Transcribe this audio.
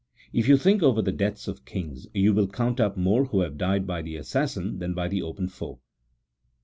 If you think over the deaths of kings, you will count up more who have died by the assassin than by the open foe."